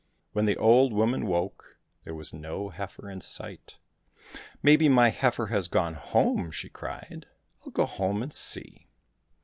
When the old woman woke, there was no heifer in sight. " Maybe my heifer has gone home !" she cried ;'' I'll go home and see."